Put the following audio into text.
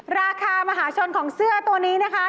มหาชนของเสื้อตัวนี้นะคะ